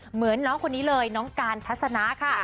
เหมือนน้องคนนี้เลยน้องการทัศนะค่ะ